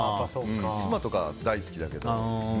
妻とか大好きだけど。